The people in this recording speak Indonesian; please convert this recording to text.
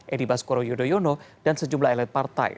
edi baskoro yudhoyono dan sejumlah elit partai